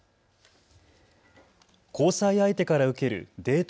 交際相手から受けるデート